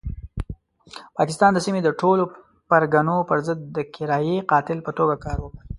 پاکستان د سیمې د ټولو پرګنو پرضد د کرایي قاتل په توګه کار وکړ.